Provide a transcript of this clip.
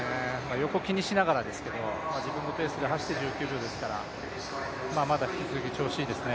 横を気にしながらですけど、自分のペースで走って１９秒ですからまだ引き続き調子いいですね。